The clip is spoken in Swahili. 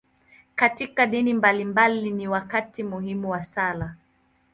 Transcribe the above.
Katika dini mbalimbali, ni wakati muhimu wa sala.